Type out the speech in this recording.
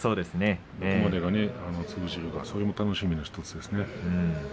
どこまで通じるかそれも楽しみの１つですね。